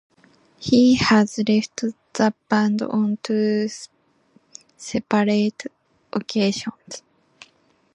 He has left the band on two separate occasions.